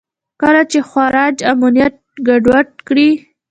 کله چې خوارج امنیت ګډوډ کړي.